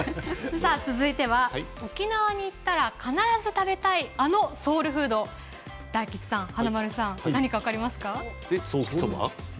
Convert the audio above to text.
続いては沖縄に行ったら必ず食べたいあのソウルフード、大吉さん、華丸さん何か分かりますか？